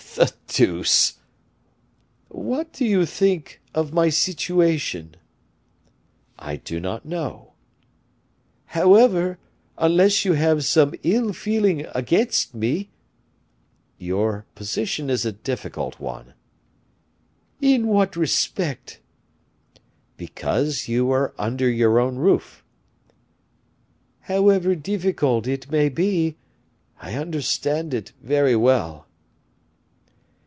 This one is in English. "The deuce!" "What do you think of my situation?" "I do not know." "However, unless you have some ill feeling against me " "Your position is a difficult one." "In what respect?" "Because you are under your own roof." "However difficult it may be, I understand it very well."